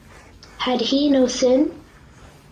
Had he no sin?